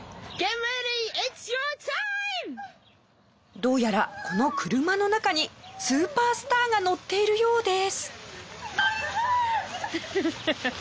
どうやらこの車の中にスーパースターが乗っているようです。